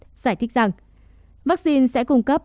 giải thích rằng vaccine sẽ cung cấp